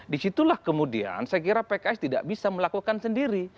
disitulah kemudian saya kira pks tidak bisa melakukan sendiri